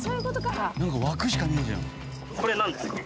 これなんですか？